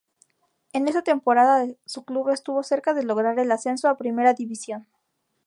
En esa temporada su club estuvo cerca de lograr el ascenso a Primera División.